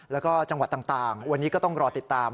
แล้วก็จังหวัดต่างวันนี้ก็ต้องรอติดตาม